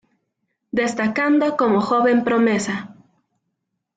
Destacando como joven promesa.